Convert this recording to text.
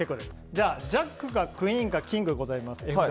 じゃあ、ジャックかクイーンかキングがあります。